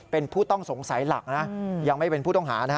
เป็นผู้ต้องสงสัยหลักนะยังไม่เป็นผู้ต้องหานะฮะ